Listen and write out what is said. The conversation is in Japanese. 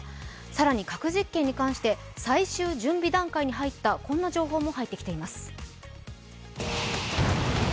更に核実験に関して最終準備段階に入った、こんな情報も入ってきています。